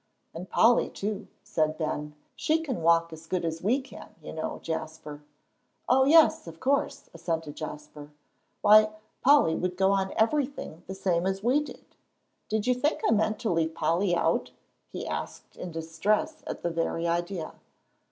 "And Polly, too," said Ben, "she can walk as good as we can, you know, Jasper." "Oh, yes, of course," assented Jasper. "Why, Polly would go on everything the same as we did. Did you think I meant to leave Polly out?" he asked in distress at the very idea.